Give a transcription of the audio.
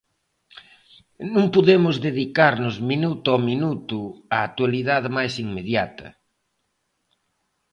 Non podemos dedicarnos minuto ao minuto a actualidade máis inmediata.